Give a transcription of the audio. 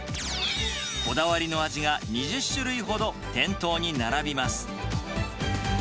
こだわりの味が２０種類ほど店頭に並びます。